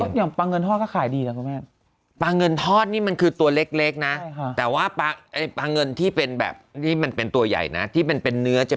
อย่างปลาเงินทอดก็ขายดีนะครับแม่